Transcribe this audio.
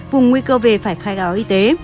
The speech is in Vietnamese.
vùng nguy cơ về phải khai gáo y tế